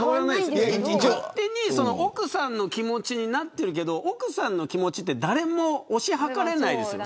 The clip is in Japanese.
勝手に奥さんの気持ちになっているけど奥さんの気持ちって誰も推し量れないです。